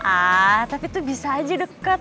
ah tapi tuh bisa aja deket